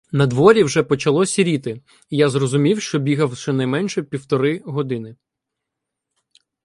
Надворі вже почало сіріти, і я зрозумів, що бігав щонайменше півтори години.